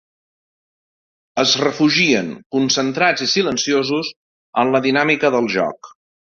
Es refugien, concentrats i silenciosos, en la dinàmica del joc.